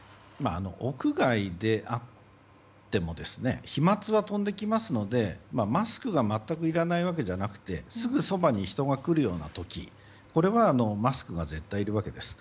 屋外であっても飛沫は飛んできますのでマスクが全くいらないわけじゃなくてすぐそばに人が来るような時これはマスクが絶対にいるわけです。